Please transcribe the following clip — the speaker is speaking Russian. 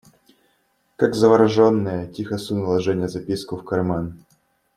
Как завороженная, тихо сунула Женя записку в карман.